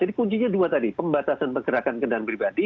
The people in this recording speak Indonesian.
kuncinya dua tadi pembatasan pergerakan kendaraan pribadi